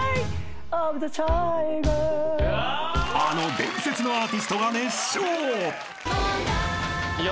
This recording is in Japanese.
［あの伝説のアーティストが熱唱！］